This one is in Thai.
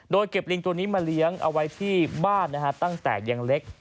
โดยเก็บลิงตัวนี้มาเลี้ยงเอาไว้ที่บ้านตั้งแต่ยังเล็ก